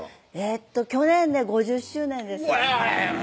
去年で５０周年ですうわ！